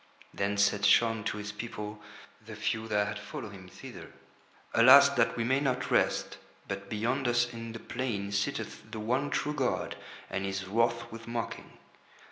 Then said Shaun to his people, the few that had followed him thither: "Alas that we may not rest, but beyond us in the plain sitteth the one true god and he is wroth with mocking.